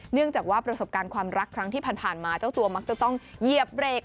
เนื่องจากว่าประสบการณ์ความรักครั้งที่ผ่านมาเจ้าตัวมักจะต้องเหยียบเบรก